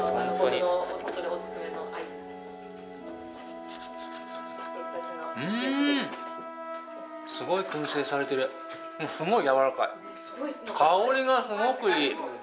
香りがすごくいい。